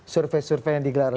survei survei yang digelar